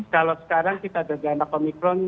kalau sekarang kita ada anak omikron